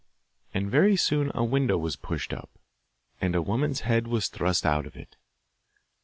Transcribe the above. And very soon a window was pushed up, and a woman's head was thrust out of it.